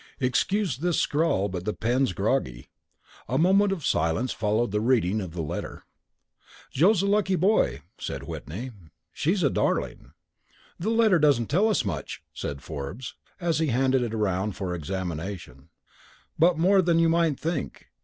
Excuse this scrawl, but the pen's groggy. A moment of silence followed the reading of the letter. "Joe's a lucky boy," said Whitney. "She's a darling." "The letter doesn't tell us much," said Forbes, as he handed it round for examination; "but more than you might think.